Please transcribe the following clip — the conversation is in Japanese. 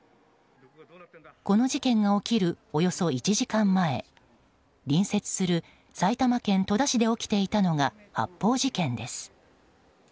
この事件が起きるおよそ１時間前隣接する埼玉県戸田市で起きていたのが発砲事件です。